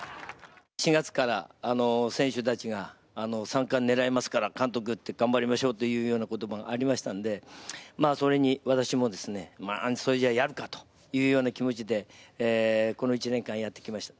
４月から選手たちが三冠狙いますから監督、頑張りましょうというようなことばがありましたんで、それに私もそれじゃあ、やるかというような気持ちで、この１年間やってきました。